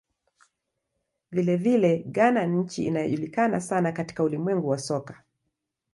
Vilevile, Ghana ni nchi inayojulikana sana katika ulimwengu wa soka.